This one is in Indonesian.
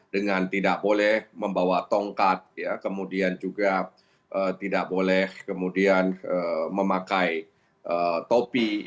dengan tidak boleh membawa tongkat kemudian juga tidak boleh kemudian memakai topi